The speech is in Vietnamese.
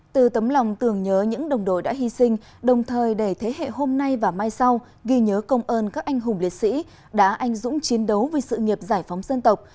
từ tấm lòng tưởng nhớ những đồng đội đã hy sinh đồng thời để thế hệ hôm nay và mai sau ghi nhớ công ơn các anh hùng liệt sĩ đã anh dũng chiến đấu vì sự nghiệp giải phóng dân tộc